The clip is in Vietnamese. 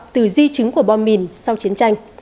từ di chứng của bom mìn sau chiến tranh